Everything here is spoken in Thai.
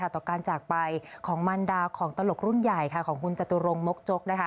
ต่อการจากไปของมันดาของตลกรุ่นใหญ่ของคุณจตุรงมกจก